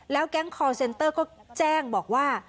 แก๊งคอร์เซนเตอร์ก็แจ้งบอกว่า